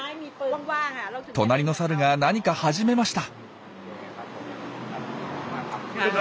隣のサルが何か始めました。